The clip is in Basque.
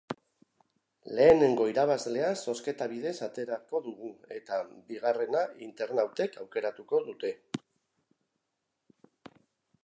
Lehenengo irabazlea zozketa bidez aterako dugu, eta bigarrena internautek aukeratuko dute.